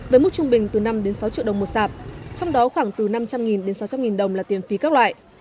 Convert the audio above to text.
với mức trung bình từ năm sáu triệu đồng một sạp trong đó khoảng từ năm trăm linh sáu trăm linh nghìn đồng là tiền phí các loại